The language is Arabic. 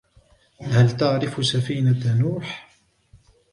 هل تعرف سفينة نوح؟